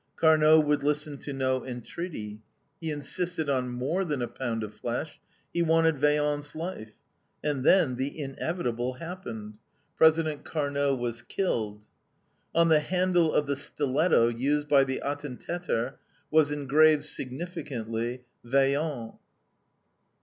Carnot would listen to no entreaty; he insisted on more than a pound of flesh, he wanted Vaillant's life, and then the inevitable happened: President Carnot was killed. On the handle of the stiletto used by the ATTENTATER was engraved, significantly, VAILLANT!